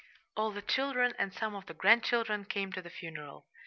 All the children and some of the grandchildren came to the funeral.